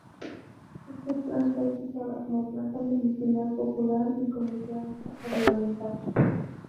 Esta planta es usada como planta medicinal popular y como planta ornamental.